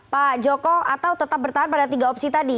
pak joko atau tetap bertahan pada tiga opsi tadi